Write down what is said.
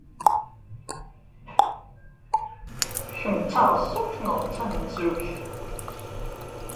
Kemm d taɛeẓẓugt neɣ d tamenzugt?